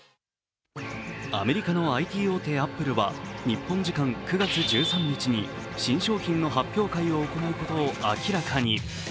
アメリカのＩＴ大手・アップルは日本時間９月１３日に新商品の発表会を行うことを明らかに。